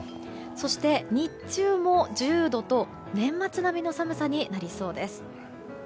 そして日中も１０度と年末並みの寒さになりそうです。